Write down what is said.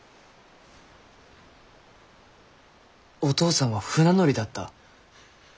お父さんは船乗りだった？